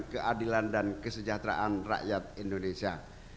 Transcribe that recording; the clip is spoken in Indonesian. keadilan dan kesejahteraan rakyat indonesia